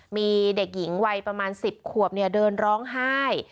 มีเด็กหญิงวัยประมาณ๑๐ขวบเดินร้องไห้